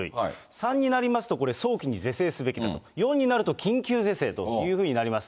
３になりますと、これ、早期に是正すべきだと、４になると、緊急是正というふうになります。